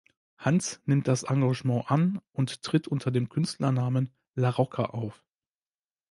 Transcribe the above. Hanns nimmt das Engagement an und tritt unter dem Künstlernamen „La Rocca“ auf.